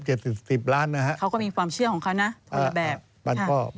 เขาก็มีความเชื่อของเขานะโดยแบบ